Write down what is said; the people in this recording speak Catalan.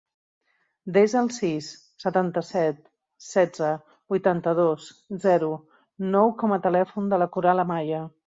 Desa el sis, setanta-set, setze, vuitanta-dos, zero, nou com a telèfon de la Coral Amaya.